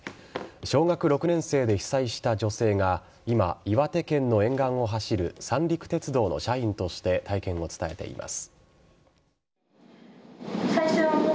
小学６年生で被災した女性が今、岩手県の沿岸を走る三陸鉄道の社員として体験を伝えています。